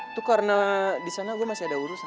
itu karena disana gue masih ada urusan